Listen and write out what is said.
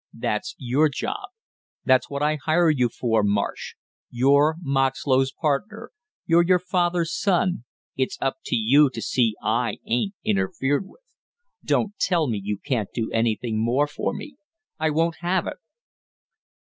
That's your job, that's what I hire you for, Marsh; you're Moxlow's partner, you're your father's son, it's up to you to see I ain't interfered with. Don't tell me you can't do anything more for me. I won't have it!"